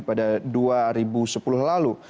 pada dua ribu sepuluh lalu